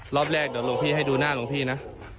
รอบแรกว่าเดี๋ยวลงพี่มาดูหน้าลงพี่นะ